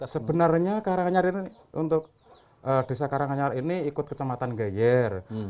sebenarnya karanganyar ini untuk desa karanganyar ini ikut kecamatan geyer